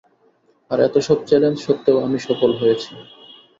আর এতসব চ্যালেঞ্জ সত্ত্বেও আমি সফল হয়েছি।